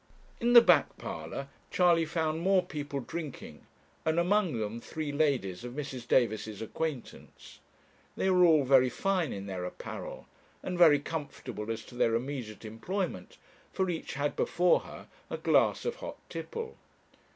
In the back parlour Charley found more people drinking, and among them three ladies of Mrs. Davis's acquaintance. They were all very fine in their apparel, and very comfortable as to their immediate employment, for each had before her a glass of hot tipple.